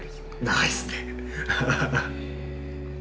長いですね。